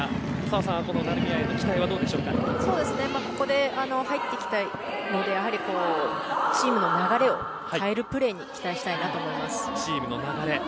澤さん、成宮へのここで入ってきたのでチームの流れを変えるプレーに期待したいなと思います。